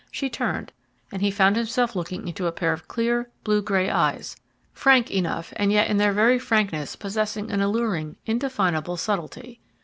She turned and he found himself looking into a pair of clear, blue gray eyes, frank enough and yet in their very frankness possessing an alluring, indefinable subtlety.